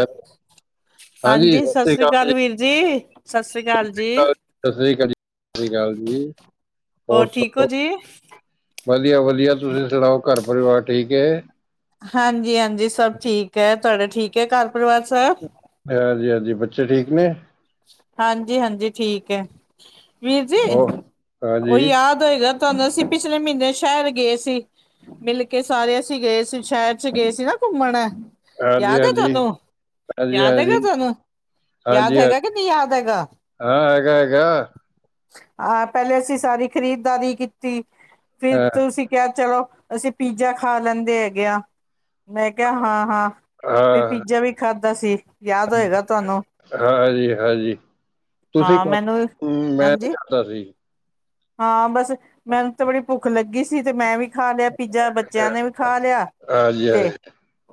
ਅ, ਹਾਂਜੀ, ਸਤਿ ਸ੍ਰੀ ਅਕਾਲ ਵੀਰ ਜੀ। ਸਤਿ ਸ੍ਰੀ ਅਕਾਲ ਜੀ ਸਤਿ ਸ਼੍ਰੀ ਅਕਾਲ ਜੀ-ਸਤਿ ਸ੍ਰੀ ਅਕਾਲ ਜੀ-ਸਤਿ ਸ਼੍ਰੀ ਅਕਾਲ ਜੀ। ਹੋਰੋ ਹੋਰ ਠੀਕ ਹੋ ਸਬ ਜੀ ਵਧੀਆ- ਵਧੀਆ ਤੁਸੀਂ ਸੁਣਾਓ, ਘਰ ਪਰਿਵਾਰ ਠੀਕ ਹੈ। ਹਾਂਜੀ-ਹਾਂਜੀ, ਸਭ ਠੀਕ ਹੈ ਤੁਹਾਡਾ ਠੀਕ ਹੈ ਘਰ ਪਰਿਵਾਰ ਸਬ। ਹਾਂਜੀ-ਹਾਂਜੀ, ਬੱਚੇ ਠੀਕ ਨੇ। ਹਾਂਜੀ-ਹਾਂਜੀ ਠੀਕ ਹੈ। ਵੀਰ ਜੀ ਉਹ ਉਹ ਹਾਂਜੀ ਯਾਦ ਹੋਏਗਾ। ਤੁਹਾਨੂੰ, ਅਸੀਂ ਪਿਛਲੇ ਮਹੀਨੇ ਸ਼ਹਿਰ ਗਏ ਸੀ, ਮਿਲ ਕੇ ਸਾਰੇ ਅਸੀਂ ਗਏ ਸੀ ਸ਼ਹਿਰ ਚ ਗਏ ਸੀ ਨਾ। ਘੁੰਮਣਾ। ਹਾਂਜੀ-ਹਾਂਜੀ-ਹਾਂਜੀ-ਹਾਂਜੀ-ਹਾਂਜੀ-ਹਾਂਜੀ। ਯਾਦ ਹੈਗਾ ਤੁਹਾਨੂੰ ਯਾਦ ਹੈਗਾ ਕਿ ਨਹੀਂ ਯਾਦ ਹੈਗਾ ਹਾਂ, ਹੈਗਾ-ਹੈਗਾ। ਹਾਂ, ਪਹਿਲੇ ਅਸੀਂ ਸਾਰੀ ਖਰੀਦਦਾਰੀ ਕੀਤੀ ਫਿਰ ਹਾਂ ਤੁਸੀਂ ਕਿਹਾ ਚਲੋ ਅਸੀਂ ਪੀਜ਼ਾ ਖਾ ਲੈਂਦੇ ਹੈਗੇ ਆ ਮੈਂ ਕਿਹਾ ਹਾਂ-ਹਾਂ। ਫਿਰ ਹਾਂ ਪੀਜ਼ਾ ਵੀ ਖਾਧਾ ਸੀ ਯਾਦ ਹੋਏਗਾ ਤੁਹਾਨੂੰ। ਹਾਂਜੀ ਹਾਂਜੀ, ਤੁਸੀਂ ਹਾਂ ਮੈਨੂੰ ਖਾਦਾਂ ਮੈਂ ਹਾਂਜੀ ਖਾਦਾਂ ਸੀ। ਹਾਂ, ਬਸ ਮੈਨੂੰ ਤੇ ਬੜੀ ਭੁੱਖ ਲੱਗੀ ਸੀ ਤੇ ਮੈਂ ਵੀ ਖਾ ਲਿਆ ਪੀਜ਼ਾ ਬੱਚਿਆਂ ਨੇ ਵੀ ਖਾ ਲਿਆ ਹਾਂਜੀ ਹਾਂਜੀ ਤੇ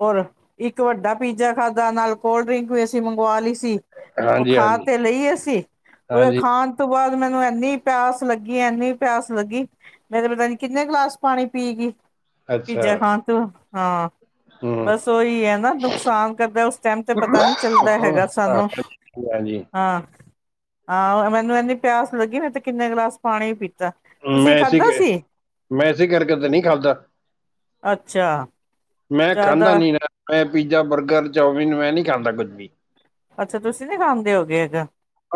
ਹੋਰ ਇੱਕ ਵੱਡਾ ਪੀਜ਼ਾ ਖਾਧਾ ਨਾਲ ਕੋਲਡ ਡਰਿੰਕ ਵੀ ਅਸੀਂ ਮੰਗਵਾ ਲਈ। ਟਿਕੀ ਉਹ ਹਾਂਜੀ ਹਾਂਜੀ ਖਾ ਤੇ ਲਈ ਸੀ ਉਹਦੇ ਹਾਂਜੀ ਖਾਣ ਤੋਂ ਬਾਅਦ ਮੈਨੂੰ ਇੰਨੀ ਪਿਆਸ ਲੱਗੀ ਇੰਨੀ ਪਿਆਸ ਲੱਗੀ ਮੇਰੇ ਪਤਾ ਨੀ ਕਿੰਨੇ ਗਲਾਸ ਪਾਣੀ ਪੀ ਗਈ। ਅੱਛਾ ਪੀਜ਼ਾ ਖਾਣ ਤੂੰ ਹਾਂ। ਹਮ ਬਸ ਉਹੀ ਹੈ ਨਾ ਨੁਕਸਾਨ ਕਰਦਾ ਉਸ ਟਾਈਮ ਤੇ ਪਤਾ ਨੀ ਚੱਲਦਾ ਹੈਗਾ ਸਾਨੂੰ। ਹਾਂਜੀ ਹਾਂਜੀ ਹਾਂ, ਆਹ ਮੈਨੂੰ ਇਨੀ ਪਿਆਸ ਲੱਗੀ ਮੈਂ ਤੇ ਕਿੰਨੇ ਗਲਾਸ ਪਾਣੀ ਪੀਤਾ। ਮੈ ਤੁਸੀਂ ਏਸੀ ਖਾਧਾ ਸੀ ਮੈਂ ਏਸੀ ਕਰਕੇ ਤੇ ਨਹੀਂ ਖਾਦਾ। ਅੱਛਾ। ਮੈਂ ਖਾਂਦਾ ਜ਼ਿਆਦਾ ਨੀ ਨਾ ਮੈਂ ਪੀਜ਼ਾ, ਬਰਗਰ, ਚਾਮਿਨ ਮੈਂ ਨਹੀਂ ਖਾਂਦਾ ਕੁੱਝ ਵੀ। ਅੱਛਾ, ਤੁਸੀਂ ਨੀ ਖਾਂਦੇ ਹੋਗੇ ਹੈਗਾ।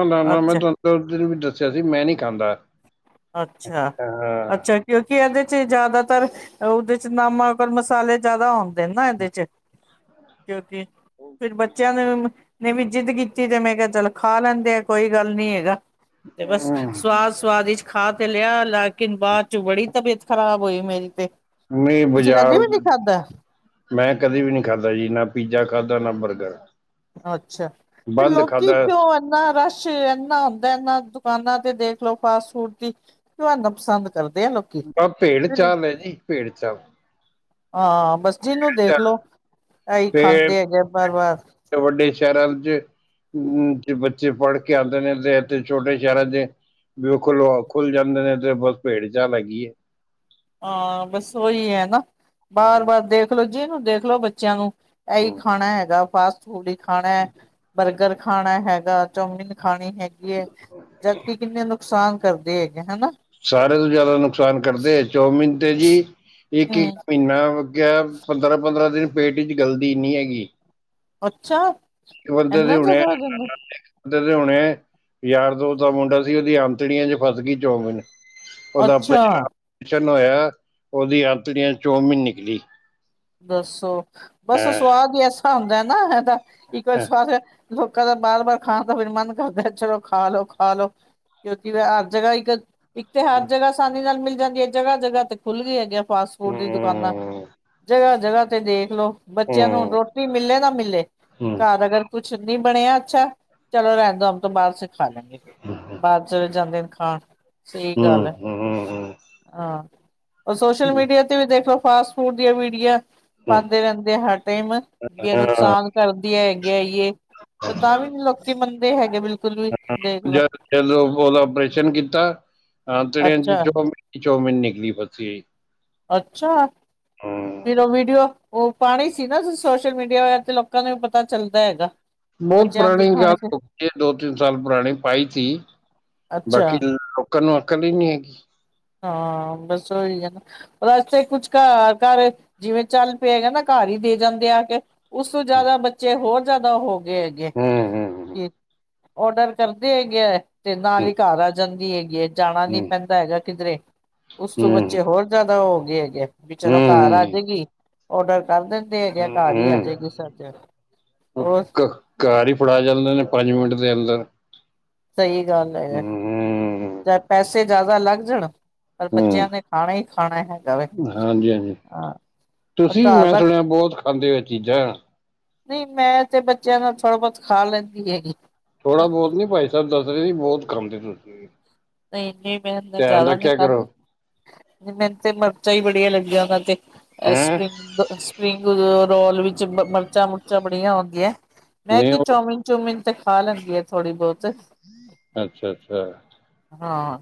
ਨਾ-ਨਾ, ਮੈਂ ਅੱਛਾ ਤੁਹਾਨੂੰ ਉਸ ਦਿਨ ਵੀ ਦੱਸਿਆ ਸੀ ਮੈਂ ਨੀ ਖਾਂਦਾ। ਅੱਛਾ। ਹਾਂ ਅੱਛਾ, ਕਿਉਂਕਿ ਇਹਦੇ ਚ ਜ਼ਿਆਦਾਤਰ ਉਹਦੇ ਚ ਨਮਕ ਮਸਾਲੇ ਜਿਆਦਾ ਆਉਂਦੇ ਨੇ ਨਾ ਇਹਦੇ ਚ ਕਿਉਂਕਿ ਫਿਰ ਬੱਚੇ ਬੱਚਿਆਂ ਨੂੰ ਨੇ ਵੀ ਜਿੱਦ ਕੀਤੀ ਤੇ ਮੈਂ ਕਿਹਾ ਚੱਲ ਖਾ ਲੈਂਦੇ ਆ ਕੋਈ ਗੱਲ ਨੀ ਹੈਗਾ। ਤੇ ਬਸ ਹਮ, ਸਵਾਦ ਸਵਾਦ ਵਿਚ ਖਾ ਤੇ ਲਿਆ ਲੇਕਿਨ ਬਾਅਦ ਚ ਬੜੀ ਤਬੀਅਤ ਖਰਾਬ ਹੋਈ ਮੇਰੀ ਤੇ। ਨਹੀਂ ਤੁਸੀਂ ਬਾਜ਼ਾਰ ਕਦੇ ਵੀ ਨੀ ਖਾਧਾ ਮੈਂ ਕਦੇ ਵੀ ਨਹੀਂ ਖਾਧਾ ਜੀ ਨਾ ਪੀਜ਼ਾ ਖਾਧਾ ਨਾ ਬਰਗਰ। ਅੱਛਾ ਫ਼ੇਰ ਬੰਦ ਲੋਕੀ ਖਾਧਾ ਕਿਉ ਇਨਾ ਰਸ਼ ਇਨਾ ਹੁੰਦਾ ਇਨਾ ਦੁਕਾਨਾਂ ਤੇ ਦੇਖ ਲੋ ਫਾਸਟ ਫੂਡ ਦੀ ਪਸੰਦ ਕਰਦੇ ਆ ਲੋਕੀ। ਆ ਭੇੜ ਚਾਲ ਹੈ [unintelligible] ਜੀ ਭੇੜ ਚਾਲ ਹਾਂ, ਬਸ ਜਿਹਨੂੰ ਦੇਖ ਲਓ। ਆਹੀ ਤੇ ਖਾਂਦੇ ਹੈਗੇ ਆ ਬਾਰ ਵਾਰ। ਵੱਡੇ ਸ਼ਹਿਰਾਂ ਚ ਅ ਬੱਚੇ ਪੜ੍ਹ ਕੇ ਆਂਦੇ ਨੇ ਤੇ ਛੋਟੇ ਸ਼ਹਿਰਾਂ ਦੇ। ਵੀ ਉਹ ਖੁਲ ਖੁੱਲ ਜਾਂਦੇ ਨੇ ਤੇ ਬਸ ਭੇੜ ਚਾਲ ਹੈਗੀ ਐ। ਹਾਂ, ਬਸ ਉਹੀ ਹੈ ਨਾ ਬਾਰ ਹਮ, ਬਾਰ ਦੇਖਲੋ ਜੀ ਨੂੰ ਦੇਖਲੋ ਬੱਚਿਆਂ ਨੂੰ। ਇਹੀ ਹਮ। ਖਾਣਾ ਹੈਗਾ ਫਾਸਟ ਫੂਡ ਹੀ ਖਾਣਾ। ਬਰਗਰ ਖਾਣਾ ਹੈਗਾ ਚੌਮਿਨ ਖਾਣੀ ਹੈਗੀ ਐ। ਜਦਕਿ ਕਿੰਨੇ ਨੁਕਸਾਨ ਕਰਦੇ ਹੈਗੇ ਹਨਾ। ਸਾਰੇ ਤੋਂ ਜ਼ਿਆਦਾ ਨੁਕਸਾਨ ਕਰਦੇ। ਚੋਮੀਨ ਤੇ ਜੀ ਇੱਕ ਇੱਕ ਹਮ ਮਹੀਨਾ ਕਿਹਾ ਪੰਦਰਾਂ ਪੰਦਰਾਂ ਦਿਨ ਪੇਟ ਚ ਗਲਦੀ ਨਹੀਂ ਹੈਗੀ। ਅੱਛਾ। ਬੰਦੇ ਦੇ ਇੰਨਾ ਹੁਣੇ ਜ਼ਿਆਦਾ ਹੋ ਜਾਂਦਾ ਤੇ ਹੋਣੇ ਯਾਰ ਦੋਸਤ ਦਾ ਮੁੰਡਾ ਸੀ ਉਹਦੀ ਆਂਤੜੀਆਂ ਚ ਫਸ ਗਈ ਚੌਂਮੀਨ। ਉਹਦਾ ਅੱਛਾ ਆਪ੍ਰੇਸ਼ਨ ਹੋਇਆ ਉਹਦੀ ਆਤੜੀਆਂ ਚੌਮੀਨ ਨਿਕਲੀ। ਦੱਸੋ ਬਸ ਹਾਂ ਸਵਾਦ ਈ ਐਸਾ ਹੁੰਦਾ ਨਾ ਹੈਦਾ ਇੱਕ ਗੱਲ ਹਾਂ ਸਵਾਦ ਲੋਕਾਂ ਦਾ ਬਾਰ ਬਾਰ ਖਾਣ ਦਾ ਫਿਰ ਮਨ ਕਰਦਾ ਚਲੋ ਖਾ ਲੋ ਖਾ ਲੋ। ਕਿਉਂਕਿ ਹਰ ਜਗ੍ਹਾ ਇੱਕ ਇੱਕ ਤੇ ਹਰ ਜਗ੍ਹਾ ਆਸਾਨੀ ਨਾਲ ਮਿਲ ਜਾਂਦੀ ਐ। ਜਗ੍ਹਾ ਜਗ੍ਹਾ ਤੇ ਖੁੱਲ੍ਹ ਗਈ ਹੈਗੀਆਂ ਫਾਸਟ ਫੂਡ ਹੂੰ ਦੀ ਦੁਕਾਨਾਂ। ਜਗ੍ਹਾ-ਜਗ੍ਹਾ ਤੇ ਦੇਖਲੋ ਹੂੰ ਬੱਚਿਆਂ ਨੂੰ ਹੂੰ ਰੋਟੀ ਮਿਲੇ ਨਾ ਮਿਲੇ ਹੂੰ ਘਰ ਅਗਰ ਕੁਛ ਨੀ ਬਣਿਆ ਅੱਛਾ ਚਲੋ ਰਹਿਦੋ ਹਮ ਤੋਂ ਬਾਹਰ ਸੇ ਖਾ ਲੈਂਗੇ ਹੂੰ ਹੂੰ ਬਾਹਰ ਚਲੇ ਜਾਂਦੇ ਨੇ। ਹਾਂ, ਸਹੀ ਹੂੰ ਗੱਲ ਐ। ਹੂੰ ਹਾਂ ਉਹ ਸੋਸ਼ਲ ਹੂੰ ਮੀਡੀਆ ਤੇ ਵੀ ਦੇਖ ਲੋ ਫਾਸਟ ਫੂਡ ਦੀਆਂ ਵੀਡੀਓ ਹੂੰ ਪਾਉਦੇ ਰਹਿੰਦੇ ਆ ਹਰ ਟਾਈਮ ਜ ਹਾਂ ਨੁਕਸਾਨ ਕਰਦੀ ਹੈ। ਗੇਈਏ ਤਾਂ ਤਾਂ ਵੀ ਲੋਕੀ ਮੰਨਦੇ ਹੈਗੇ ਬਿਲਕੁਲ ਵੀ। ਦੇਖ ਲੋ ਜਦ ਜਦੋਂ ਉਹਦਾ ਆਪਓਰੇਸ਼ਨ ਕੀਤਾ ਹਾਂ ਆਂਟੜੇ ਚ ਅੱਛਾ ਚੋਮਿਨ ਚੌਮਨ ਨਿਕਲੀ ਫਸੀ। ਅੱਛਾ, ਹੂੰ ਫਿਰ ਉਹ ਵੀਡੀਓ ਉਹ ਪਾਣੀ ਸੀ ਨਾ ਸੋਸ਼ਲ ਮੀਡੀਆ ਵ ਤੇ ਲੋਕਾਂ ਨੂੰ ਵੀ ਪਤਾ ਚੱਲਦਾ ਹੈਗਾ। ਬਹੁਤ ਬੱਚਿਆਂ ਨੂੰ ਪੁਰਾਣੀ ਦਿਖਾਣੇ ਗੱਲ ਚ ਹੋਗਿ ਏ। ਦੋ ਤਿੰਨ ਸਾਲ ਪੁਰਾਣੀ ਪਾਈ ਸੀ। ਅੱਛਾ ਬਾਕੀ ਲੋਕਾਂ ਨੂੰ ਅਕਲ ਈ ਨਹੀਂ ਹੈਗੀ। ਹਾਂ, ਬਸ ਉਹੀ ਹੈ ਨਾ ਰਸਤੇ ਕੁਛ ਘਰ ਘਰ ਜਿਵੇਂ ਚੱਲ ਪਏਗਾ ਨਾ ਘਰ ਦੇ ਜਾਂਦੇ ਆ ਕੇ। ਉਸ ਤੋਂ ਜਿਆਦਾ ਬੱਚੇ ਹੋਰ ਜਿਆਦਾ ਹੋ ਗਏ ਹੈਗੇ ਹੂੰ ਹੂੰ ਕੀ। ਔਡਰ ਕਰਦੇ ਹੈਗੇ ਹੈ ਤੇ ਨਾਲ ਹੂੰ ਹੀ ਘਰ ਆ ਜਾਂਦੀ ਹੈਗੀ ਐ। ਜਾਣਾ ਨੀ ਹੂੰ ਪੈਂਦਾ ਹੈਗਾ। ਕਿਧਰੇ। ਉਸ ਤੋਂ ਹੂੰ ਬੱਚੇ ਹੋਰ ਜਿਆਦਾ ਹੋ ਗਏ ਹੈਗੇ ਵੀ ਚਲੋ ਘਰ ਆ ਜਾਏਗੀ। ਔਡਰ ਕਰ ਦਿੰਦੇ ਹੈਗੇ ਘਰ ਹੀ ਆ ਜਾਏਗੀ ਸਰਜ। ਘ ਘਰ ਹੀ ਫੜਾ ਜਾਂਦੇ ਨੇ ਪੰਜ ਮਿੰਟ ਦੇ ਅੰਦਰ ਸਹੀ ਗੱਲ ਹੈ ਯ ਹੂੰ ਚ ਪੈਸੇ ਜ਼ਿਆਦਾ ਲੱਗ ਜਾਣ। ਪਰ ਬੱਚਿਆਂ ਹੂੰ ਨੇ ਖਾਣਾ ਹੀ ਖਾਣਾ ਹੈ ਹਾਂਜੀ, ਹਾਂਜੀ ਪਰ ਤੁਸੀਂ ਘਰ ਮੈਂ ਦਾ ਸੁਣਿਆ ਬਹੁਤ ਖਾਂਦੇ ਹੋ ਚੀਜ਼ਾਂ। ਨਹੀਂ, ਮੈਂ ਤੇ ਬੱਚਿਆਂ ਨੂੰ ਥੋੜ੍ਹਾ ਬਹੁਤ ਖਾ ਲੈਂਦੀ ਹੈਗੀ। ਥੋੜਾ ਬਹੁਤ ਨੀ, ਭਾਈ ਸਾਹਿਬ ਦੱਸ ਰਹੇ ਸੀ। ਬਹੁਤ ਖਾਂਦੇ ਤੁਸੀਂ ਨੀ ਮੈਂਨਾ ਧਿਆਨ ਜ਼ਿਆਦਾ ਨੀ ਰੱਖਿਆ ਕਰੋ ਖਾਂਦੀ। ਮੈਨੂੰ ਤੇ ਮਿਰਚਾਂ ਹੀ ਬੜੀਆ ਲੱਗੀਆਂ। ਦਾ ਤੇ ਹੈਂ ਸਪਗ ਸਪਰਿੰਗ ਰੋਲ ਵਿੱਚ ਮਿਰਚਾਂ ਮੁੁਰਚਾਂ ਬੜੀਆਂ ਹੁੰਦੀਆ ਏ। ਮੈਂ ਨਹੀਂ ਕੇ ਉਹ ਚੌਮਿਨ ਚੂਮਿਨ ਤੇ ਖਾ ਲੈਂ ਗੇ। ਅੱਛਾ, ਅੱਛਾ ਹਾਂ,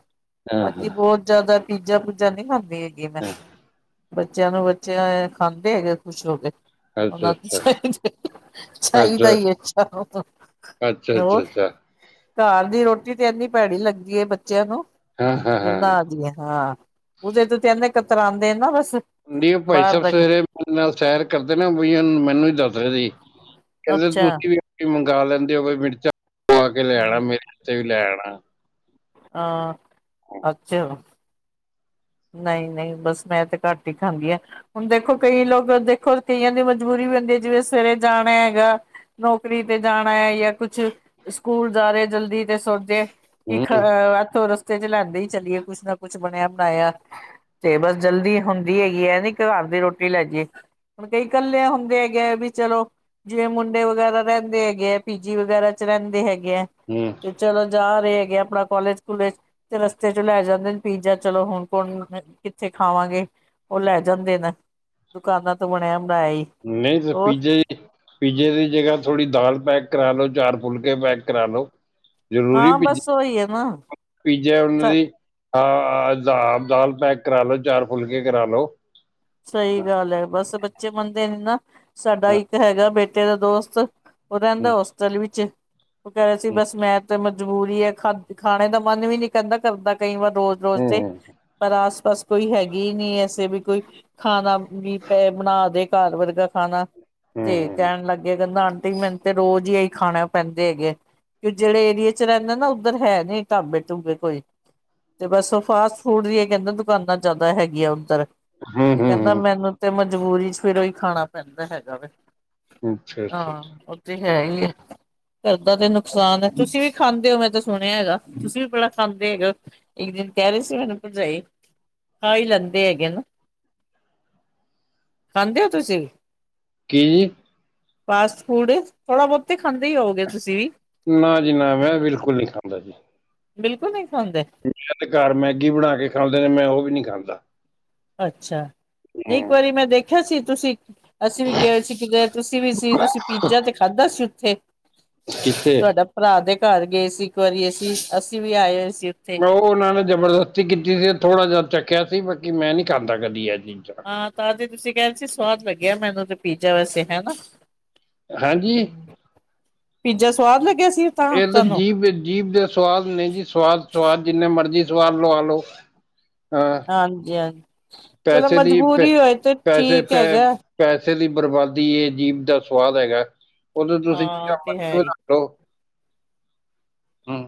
ਹਾਂ ਹਾਂ ਬਾਕੀ ਬਹੁਤ ਜ਼ਿਆਦਾ ਪੀਜਾ ਪੂਜਾ ਨਹੀ ਖਾਂਦੇ ਹੈਗੇ ਮੈਂ। ਹਾਂ। ਬੱਚਿਆਂ ਨੂੰ ਬੱਚਿਆਂ ਅ ਖਾਂਦੇ ਹੈਗੇ ਖੁਸ਼ ਹੋ ਕੇ ਅੱਛਾ ਉਹਨਾਂ ਦੀ ਅੱਛਾ ਚਾਹੀ ਚਾਹੀਦਾ ਹੀ ਅੱਛਾ ਹੋਰ [unintelligible] ਘਰ ਦੀ ਰੋਟ ਤੇ ਇਨੀ ਭੈੜੀ ਲੱਗਦੀ ਹੈ। ਬੱਚਿਆਂ ਨੂੰ, ਹਾਂ ਹਾਂ ਜਿਨਾ ਹਾਂ ਦੀਏ ਹਾਂ ਉਹਦੇ ਤੇ ਤੇ ਇਹਨੇ ਕਤਰਾਂਦੇ ਨਾ ਬਸ ਕਤ ਭਾਈ ਸਾਹਿਬ ਸਵੇਰੇ ਮੇਰੇ ਨਾਲ ਸੈਰ ਕਰਦੇ ਨਾ। ਬਈ ਮੈਨੂੰ ਹੀ ਦੱਸਦੇ ਹਨ। ਕਹਿੰਦੇ ਅੱਛਾ ਤੁਸੀਂ ਵੀ ਮੰਗਵਾ ਲੈਂਦੇ ਹੋ ਮਿਰਚਾਂ ਕੇ ਲੈਣਾ ਮੇਰੇ ਲੈਣਾ ਹਾਂ ਅੱਛਾ ਨਹੀਂ, ਨਹੀਂ ਬਸ। ਮੈਂ ਤੇ ਘੱਟ ਹੀ ਖਾਂਦੀ ਹਾਂ। ਹੁਣ ਦੇਖੋ ਕਈ ਲੋਕ, ਦੇਖੋ ਕਈਆਂ ਦੀ ਮਜ਼ਬੂਰੀ ਬੰਦੇ ਜਿਵੇਂ ਸਵੇਰੇ ਜਾਣਾ ਹੈਗਾ ਹੂ ਨੌਕਰੀ ਤੇ ਜਾਣਾ ਹੈ ਜਾਂ ਕੁਛ ਸਕੂਲ ਜਾ ਰਹੇ ਜਲਦੀ ਤੇ ਸੋਚੇ ਕਿ ਹੂੰ ਖ ਹੱਥੋਂ ਰਸਤੇ ਚ ਲੈਂਦੇ ਹੀ ਚਲੀਏ ਕੁੱਛ ਨਾ ਕੁੱਛ ਬਣਿਆ ਬਣਾਇਆ। ਤੇ ਬਸ ਜਲਦੀ ਹੁੰਦੀ ਹੈ। ਗੀ ਹੈ ਨ ਘਰ ਦੀ ਰੋਟੀ ਲੈ ਜੇ ਹੁਣ ਕਈ ਇਕੱਲੇ ਹੁੰਦੇ ਹੈਗੇ ਵੀ ਚਲੋ ਜਿਵੇਂ ਮੁੰਡੇ ਵਗੈਰਾ ਰਹਿੰਦੇ ਹੈਗੇ ਹੈ। ਪੀਜੀ ਵਗੈਰਾ ਚ, ਰਹਿੰਦੇ ਹੈਗੇ ਆ ਹੂੰ ਤੇ ਚਲੋ ਜਾ ਹੈਗੇ ਆਪਣਾ ਕਾਲਜ ਕੂਲੇਜ ਤੇ ਰਸਤੇ ਚ ਲੈ ਜਾਂਦੇ ਪੀਜ਼ਾ ਚਲੋ। ਹੁਣ ਣ ਕਿੱਥੇ ਖਾਵਾਂਗੇ। ਉਹ ਲੈ ਜਾਂਦੇ ਨੇ, ਦੁਕਾਨਾਂ ਤੋਂ ਬਣਿਆ। ਬਣਾਇਆ ਹੀ ਨਹੀਂ ਸਰ ਹੋਰ ਪੀਜੇ ਦੀ ਪੀਜੇ ਦੀ ਜਗ੍ਹਾ ਥੋੜ੍ਹੀ ਦਾਲ ਪੈਕ ਕਰਾ ਲੋ ਚਾਰ ਫੁਲਕੇ ਪੈਕ ਕਰਾ ਲੋ ਕ ਜ਼ਰੂਰੀ, ਹਾਂ ਬਸ ਉਹੀ ਹੈ ਨਾ ਪੀਜ਼ਾ ਪੀਜਾ ਉਹਨਾਂ ਦੀ ਹਾਂ ਦ ਦਾਲ ਪੈਕ ਕਰਾ ਲੋ ਚਾਰ ਫੁਲਕੇ ਕਰਾ ਲੋ ਸਹੀ ਗੱਲ ਹੈ। ਬਸ ਬੱਚੇ ਮੰਨਦੇ ਨੇ ਨਾ, ਸਾਡਾ ਹੂੰ ਇੱਕ ਹੈਗਾ ਬੇਟਾ ਦਾ ਦੋਸਤ, ਉਹ ਹੂੰ ਰਹਿੰਦਾ ਹੋਸਟਲ ਵਿੱਚ, ਉਹ ਕਹਿ ਰਿਹਾ ਸੀ। ਹੂੰ ਬਸ ਮੈਂ ਤੇ ਜ਼ਰੂਰੀ ਹੈ। ਖਾ ਖਾਣੇ ਦਾ ਮਨ ਵੀ ਨਹੀਂ ਕਹਿੰਦਾ ਕਰਦਾ ਕਈ ਵਾਰ ਰੋਜ਼ ਰੋਜ਼ ਹੂੰ ਤੇ ਪਰ ਆਸ ਬਸ ਕੋਈ ਹੈ ਗੀ ਹੀ ਨਹੀਂ ਐਸੇ ਵੀ ਕੋਈ। ਖਾਣਾ ਵੀ ਪੈ ਬਣਾ ਦੇ ਘਰ ਵਰਗਾ ਖਾਣਾ ਹੂੰ ਤੇ ਕਹਿਣ ਲੱਗੇ। ਕਹਿੰਦਾ, ਆਂਟੀ ਮੈਨੂੰ ਤੇ ਰੋਜ਼ ਹੀ ਆਪ ਖਾਣੇ ਪੈਂਦੇ ਹੈਗੇ। ਕਿ ਜਿਹੜੇ ਏਰੀਏ ਚ ਰਹਿੰਦੇ ਨਾ ਉੱਧਰ ਹੈ ਨਹੀਂ ਢਾਬੇ ਢੁੱਬੇ ਕੋਈ ਤੇ ਬਸ ਉਹ ਫਾਸਟ ਫੂਡ ਦੀਆਂ ਕਹਿੰਦੇ ਦੁਕਾਨਾਂ ਜ਼ਿਆਦਾ ਹੈਗੀਆਂ ਉੱਧਰ ਹੂੰ ਤੇ ਕਹਿੰਦਾ, ਹੂੰ ਮੈਨੂੰ ਤੇ ਮਜਬੂਰੀ ਚ ਫਿਰ ਉਹ ਹੀ ਖਾਣਾ ਪੈਂਦਾ ਹੈਗਾ ਵ [unintelligible] ਹੈ ਘਰ ਦਾ ਤੇ ਨੁਕਸਾਨ ਹੈ। ਤੁਸੀਂ ਵੀ ਖਾਂਦੇ ਹੋ। ਮੈਂ ਤਾਂ ਸੁਣਿਆ ਹੈਗਾ, ਤੁਸੀਂ ਵੀ ਬੜਾ ਖਾਂਦੇ ਹੈਗੇ, ਹੋ ਇੱਕ ਨ ਕਹਿ ਰਹੇ ਸੀ। ਮੈਨੂੰ ਭਰਜਾਈ ਖਾ ਹੀ ਲੈਂਦੇ ਹੈਗੇ ਨਾ। ਖਾਂਦੇ ਹੋ ਤੁਸੀਂ। ਕੀ ਫਾਸਟ ਫੂਡ ਥੋੜਾ ਬਹੁਤੇ ਨਾ, ਜੀ ਨਾ ਮੈਂ ਬਿਲਕੁਲ ਨਹੀਂ ਖਾਂਦਾ ਜੀ। ਬਿਲਕੁਲ ਨਹੀ। ਮੈਂ 'ਤੇ ਘਰ ਮੈਗੀ ਬਣਾ ਕੇ ਖਾਂਦੇ ਨੇ, ਮੈਂ ਉਹ ਵੀ ਨਹੀਂ ਖਾਂਦਾ। ਅੱਛਾ। ਨਹੀਂ ਇੱਕ ਹੂੰ ਵਾਰੀ ਮੈਂ ਦੇਖਿਆ ਸੀ। ਤੁਸੀਂ ਅਸੀਂ ਵੀ ਗਏ ਸੀ। ਕਿਤੇ ਤੁਸੀਂ ਵੀ ਸੀ ਤੁਸੀਂ ਪੀਜਾ 'ਤੇ ਖਾਧਾ ਸੀ। ਉੱਥੇ ਕਿੱਥੇ ਤੁਹਾਡਾ ਭਰਾ ਦੇ ਘਰ ਗਏ ਸੀ। ਇੱਕ ਵਾਰੀ ਅਸੀਂ। ਅਸੀਂ ਵੀ ਆਏ ਹੋਏ ਸੀ। ਉੱਥੇ ਉਹ ਉਹਨਾਂ ਨੇ ਜਬਰਦਸਤੀ ਕੀਤੀ ਸੀ। ਥੋੜਾ ਜਿਹਾ ਚੱਖੀਆਂ ਸੀ। ਬਾਕੀ ਮੈਂ ਨੀ ਖਾਂਦਾ ਕਦੀ ਅਜ ਹਾਂ, ਤਾਂ ਤੁਸੀਂ ਕਹਿ ਰਹੇ ਸੀ। ਸਵਾਦ ਲੱਗਿਆ ਮੈਨੂੰ ਤੇ ਪੀਜ਼ਾ ਵੈਸੇ ਹੈਨਾ। ਹਾਂਜੀ ਪੀਜਾ ਸਵਾਦ ਲੱਗਿਆ ਸੀ। ਇਹ ਤਾਂ ਜੀਭ, ਜੀਭ ਦੇ ਸੁਵਾਦ ਨੇ ਜੀ ਸਵਾਦ, ਸਵਾਦ। ਜਿੰਨੇ ਮਰਜ਼ੀ [unintelligible] ਹਾਂਜੀ, ਹਾਂਜੀ ਚਲੋ ਪੈਸੇ ਦੀ, ਮਜਬੂਰੀ ਹੋਏ ਤੇ ਪੈਸੇ ਪੈ ਠੀਕ ਪੈਸੇ ਹੈਗਾ ਪੈਸੇ ਦੀ ਬਰਬਾਦੀ ਏ। ਜੀਭ ਦਾ ਸਵਾਦ ਹੈਗਾ। ਉਹਨੂੰ ਤੁਸੀਂ ਜਿਦਾ ਹਾਂ ਤੇ ਮਰਜੀ ਹੈ ਹੀ ਵਧਾ ਲੋ। ਹੂੰ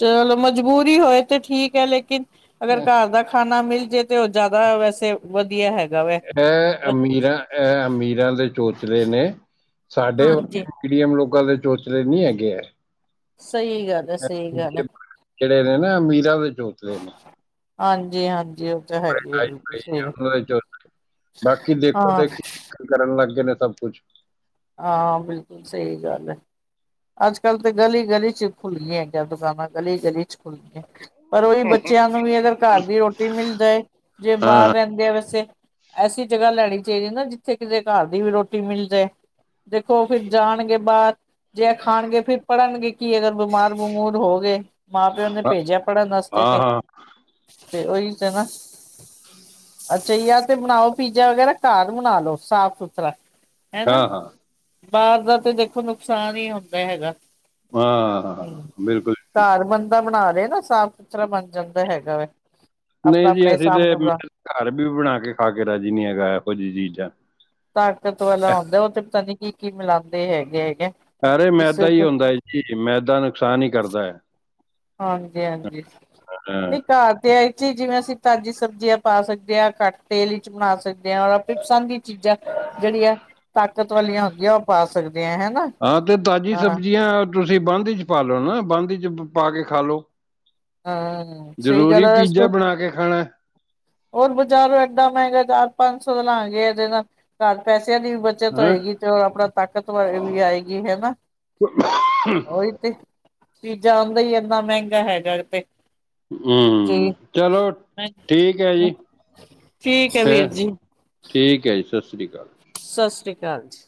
ਚਲੋ। ਮਜਬੂਰੀ ਹੋਏ ਤੇ ਠੀਕ ਹੈ। ਲੇਕਿਨ ਅਗਰ ਘਰ ਦਾ ਖਾਣਾ ਮਿਲ ਜੇ ਤੇ ਉਹ ਜ਼ਿਆਦਾ ਵੈਸੇ ਵਧੀਆ ਹੈਗਾ। ਵੈ ਇਹ ਅਮੀਰਾਂ, ਇਹ ਅਮੀਰਾਂ ਦੇ ਚੋਚਲੇ ਨੇ। ਸਾਡੇ ਹਾਂਜੀ ਮੀਡੀਐਮ ਲੋਕਾਂ ਦੇ ਚੋਚਲੇ ਨੀ ਹੈਗੇ ਏ। ਸਹੀ ਗੱਲ ਹੈ ਸਹੀ ਗੱਲ ਹੈ ਜਿਹੜੇ ਨੇ ਨਾ ਅਮੀਰਾ ਦੇ ਚੋਚਲੇ ਨੇ ਹਾਂਜੀ, ਹਾਂਜੀ ਉਹ ਤਾਂ ਹੈਗੀ ਹੈ ਬਿਲਕੁਲ ਖਾਈਾਈ ਸਹੀ ਉਹਨਾਂ ਦੇ ਚ ਬਾਕੀ ਦੇਖੋ ਹਾਂ ਦੇਖੇ ਕਰਨ ਲੱਗ ਗਏ ਨੇ [unintelligible] ਸਭ ਕੁਛ ਹਾਂ, ਬਿਲਕੁਲ ਸਹੀ ਗੱਲ ਹੈ। ਅੱਜ ਕੱਲ੍ਹ ਤਾਂ ਗਲੀ ਗਲੀ ਚ ਖੁੱਲ ਗੀਆਂ ਹੈਗੀਆਂ। ਦੁਕਾਨਾਂ ਗਲੀ ਗਲੀ ਚ ਖੁੱਲ ਗਈਆਂ। ਪਰ ਉਹੀ ਬੱਚਿਆਂ ਨੂੰ ਵੀ ਅਗਰ ਘਰ ਦੀ ਰੋਟੀ ਮਿਲਜਾਏ। ਜੇ ਬਾਹਰ ਹਾਂ ਰਹਿੰਦੇ ਆ ਵੈਸੇ ਐਸੀ ਜਗ੍ਹਾ ਲੈਣੀ ਚਾਹੀਦੀ ਨਾ, ਜਿੱਥੇ ਕਿਸੇ ਘਰ ਦੀ ਵੀ ਰੋਟੀ ਮਿਲ ਜਾਏ। ਦੇਖੋ। ਫਿਰ ਜਾਣਗੇ ਬਾਹਰ। ਜੇ ਇਹ ਖਾਣਗੇ ਫਿਰ ਪੜ੍ਹਨਗੇ। ਕੀ ਅਗਰ ਬਿਮਾਰ ਬਮੂਰ ਹੋ ਗਏ। ਮਾਂ -ਪਿਓ ਨੇ ਹਾਂ ਭੇਜਿਆ ਪੜ੍ਹਨ ਵਾਸਤੇ ਹਾਂ, ਤੇ ਹਾਂ ਤੇ ਉਹੀ ਤਾਂ ਨਾ ਅੱਛਾ ਜੀ 'ਤੇ ਬਣਾਓ। ਪੀਜ਼ਾ ਵਗੈਰਾ, ਘਰ ਬਣਾ ਲਓ। ਸਾਫ਼ ਸੁਥਰਾ ਹੈਨਾ ਹਾਂ, ਹਾਂ ਬਾਹਰ ਦਾ 'ਤੇ ਦੇਖੋ ਨੁਕਸਾਨ ਹੀ ਹੁੰਦਾ ਹੈਗਾ। ਹਾਂ ਹਾਂ, ਹਾਂ, ਹੂੰ ਬਿਲਕੁਲ ਘਰ ਬੰਦਾ ਬਣਾ ਲ ਇਹ ਨਾ ਸਾਫ਼ ਸੁਥਰਾ ਬਣ ਜਾਂਦਾ ਹੈਗਾ ਹੈ। ਨਹੀਂ, ਜੀ ਅਸੀਂ 'ਤੇ ਮਤਲਬ ਘਰ ਵੀ ਬਣਾ ਕੇ ਖਾ ਕੇ ਰਾਜੀ ਨਹੀਂ ਹੈਗਾ। ਇਹੋ ਜਿਹੀ ਚੀਜਾਂ। ਤਾਕਤ ਵਾਲਾ ਹੁੰਦਾ। ਉਹ 'ਤੇ ਪਤਾ ਨੀ ਕੀ- ਕੀ ਮਿਲਾਉਂਦੇ ਹੈਗੇ ਹੈ। ਅਰੇ ਮੈਦਾ ਹੀ ਹੁੰਦਾ ਹੈ। ਜੀ ਮੈਦਾ ਨੁਕਸਾਨ ਹੀ ਕਰਦਾ ਹੈ। ਹਾਂਜੀ, ਹਾਂਜੀ ਹਾਂ। ਨਈ ਘਰ ਤੇ ਅਈ। ਜਿਵੇਂ ਅਸੀਂ ਤਾਜ਼ੀ ਸਬਜ਼ੀਆਂ ਪਾ ਸਕਦੇ ਹਾਂ। ਘੱਟ ਤੇਲ ਵਿਚ ਬਣਾ ਸਕਦੇ ਹਾਂ। ਰ ਆਪਣੇ ਪਸੰਦ ਦੀ ਚੀਜ਼ਾਂ ਜਿਹੜੀ ਆ ਤਾਕਤ ਵਾਲੀਆਂ ਹੁੰਦੀਆਂ ਉਹ ਪਾ ਸਕਦੇ। ਆ ਹੈਨਾ ਹਾਂ 'ਤੇ ਤਾਜ਼ੀ ਹਾਂ ਸਬਜ਼ੀਆਂ ਤੁਸੀਂ ਬੰਦ ਚ ਪਾ ਲਓ। ਨਾ ਬੰਦ ਚ ਪਾ ਕੇ ਖਾ ਲੋ। ਹਾਂ, ਸਹੀ ਗੱਲ ਏ ਵੈਸੇ ਤੋਂ ਬਣਾ ਕੇ ਖਾਣਾ ਹੈ ਹੋਰ ਬਜ਼ਾਰੋਂ ਏਡਾ ਮਹਿੰਗਾ ਚਾਰ ਪੰਜ ਸੌ ਦਾ ਲਾਂਗੇ। ਇਹਦੇ ਨਾਲ ਘਰ ਪੈਸੇ ਬੱਚਿਆਂ ਦੀ ਵੀ ਬੱਚਤ ਹੈਂ? ਹੋਏਗੀ। 'ਤੇ ਉਹ ਆਪਣਾ ਤਾਕਤ ਵ ਵੀ ਆਏਗੀ ਹਨਾ। ਉਹੀ 'ਤੇ ਚੀਜ਼ਾਂ ਆਉਂਦਾ ਹੀ ਇਨ੍ਹਾਂ ਮਹਿੰਗਾ ਹੈਗਾ। 'ਤੇ ਹੂੰ। ਜੀ ਚਲੋ ਠੀਕ ਹੈ। ਜੀ ਠੀਕ ਹੈ ਵੀਰ ਫਿਰ ਜੀ ਠੀਕ ਹੈ। ਜੀ ਸਤ ਸਤਿ ਸ਼੍ਰੀ ਅਕਾਲ ਜੀ।